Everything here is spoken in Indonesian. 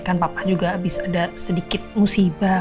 kan papa juga habis ada sedikit musibah